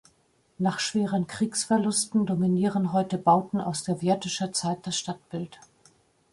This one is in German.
Nach schweren Kriegsverlusten dominieren heute Bauten aus sowjetischer Zeit das Stadtbild.